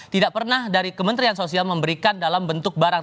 tidak pernah dari kementerian sosial memberikan dalam bentuk barang